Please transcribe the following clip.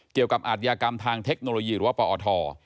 เกี่ยวกับอาทยากรรมทางเทคโนโลยีหรือว่าปอท